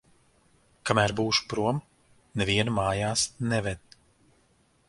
Kamēr būšu prom, nevienu mājās neved.